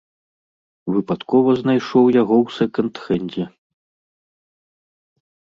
Выпадкова знайшоў яго ў сэканд-хэндзе.